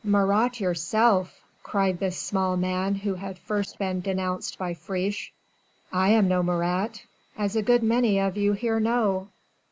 "Marat yourself," cried the small man who had first been denounced by Friche. "I am no Marat, as a good many of you here know.